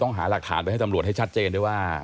ต้องหาหลักฐานไปให้สำรวจให้ชัดเจนได้ว่า